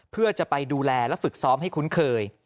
เพื่อจะไปดูแลและฝึกซ้อมให้คุ้นเคย